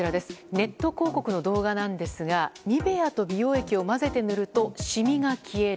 ネット広告の動画なんですがニベアと美容液を混ぜて塗るとシミが消える。